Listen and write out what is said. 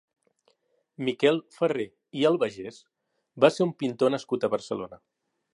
Miquel Farré i Albagés va ser un pintor nascut a Barcelona.